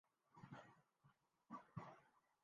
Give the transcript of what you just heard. کہ جس کے بعد فتویٰ بازی قابلِ دست اندازیِ پولیس جرم بن جائے